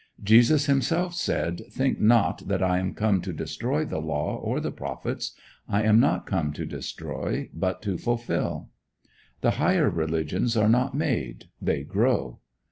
Jesus himself said, "Think not that I am come to destroy the Law or the Prophets: I am not come to destroy, but to fulfil." The higher religions are not made; they grow.